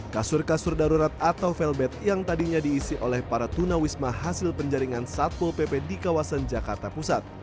kasur kasur darurat atau felbet yang tadinya diisi oleh para tunawisma hasil penjaringan satpol pp di kawasan jakarta pusat